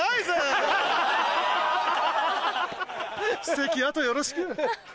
関あとよろしく！